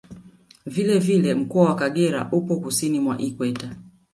Vile vile Mkoa wa Kagera upo Kusini mwa Ikweta